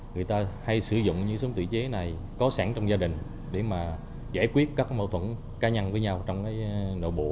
người ta hay sử dụng những súng tự chế này có sẵn trong gia đình để mà giải quyết các mâu thuẫn cá nhân với nhau trong cái nội bộ